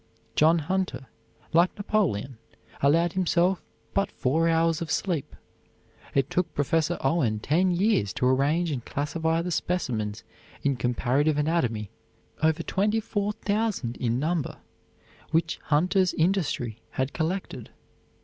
John Hunter, like Napoleon, allowed himself but four hours of sleep. It took Professor Owen ten years to arrange and classify the specimens in Comparative Anatomy, over twenty four thousand in number, which Hunter's industry had collected.